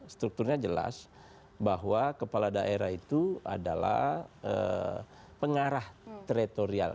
strukturnya jelas bahwa kepala daerah itu adalah pengarah teritorial